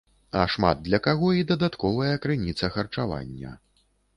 А шмат для каго і дадатковая крыніца харчавання.